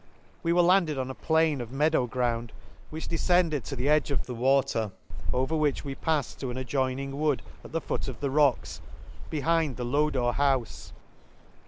— We were landed on a plain of mea dow ground which defcended to the edge of the water, over which we palled to an adjoining wood at the foot of the rocks, behind the Lodore houfe.